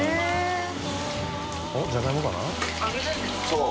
そう。